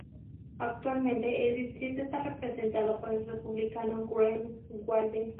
Actualmente el distrito está representado por el Republicano Greg Walden.